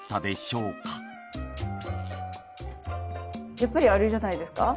やっぱりあれじゃないですか？